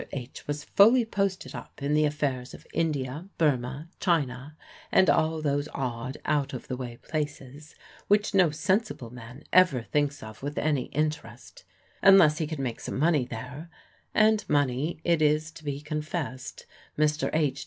H. was fully posted up in the affairs of India, Burmah, China, and all those odd, out of the way places, which no sensible man ever thinks of with any interest, unless he can make some money there; and money, it is to be confessed, Mr. H.